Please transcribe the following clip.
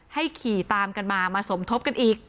ขี่ตามกันมามาสมทบกันอีก